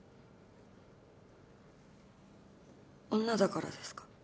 女だからですか？